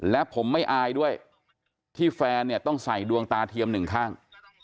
และผมไม่อายด้วยที่แฟนต้องใส่ดวงตาเทียม๑ครั้ง